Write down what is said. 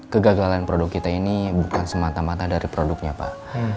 kegagalan produk kita ini bukan semata mata dari produknya pak